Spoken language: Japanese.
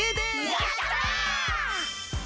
やった！